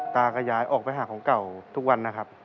ตากับยายออกไปหาของเก่าทุกวันนะครับ